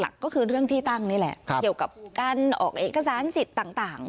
หลักก็คือเรื่องที่ตั้งนี่แหละเกี่ยวกับการออกเอกสารสิทธิ์ต่าง